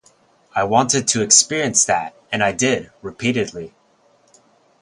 I wanted to experience that, and I did - repeatedly.